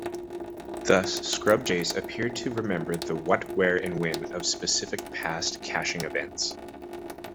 Thus, scrub-jays appear to remember the "what-where-and-when" of specific past caching events.